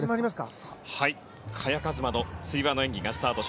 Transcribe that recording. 萱和磨のつり輪の演技です。